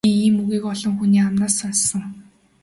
Би ийм үгийг олон хүний амнаас сонссон.